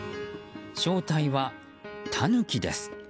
正体はタヌキです。